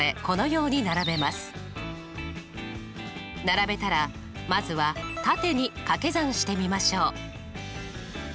並べたらまずは縦に掛け算してみましょう。